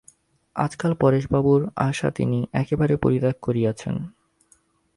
আজকাল পরেশবাবুর আশা তিনি একেবারেই পরিত্যাগ করিয়াছেন।